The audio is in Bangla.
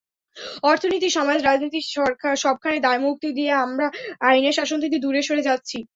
অর্থনীতি, সমাজ, রাজনীতি—সবখানে দায়মুক্তি দিয়ে আমরা আইনের শাসন থেকে দূরে সরে যাচ্ছি।